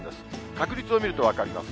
確率を見ると分かります。